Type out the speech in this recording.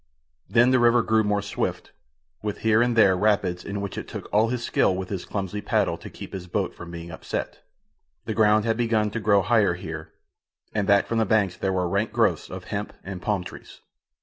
Then the river grew more swift, with here and there rapids in which it took all his skill with his clumsy paddle to keep his boat from being upset. The ground had begun to grow higher here, and back from the banks there were rank growths of hemp and palm trees.